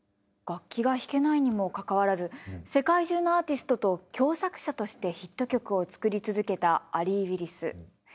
楽器が弾けないにもかかわらず世界中のアーティストと共作者としてヒット曲を作り続けたアリー・ウィリス。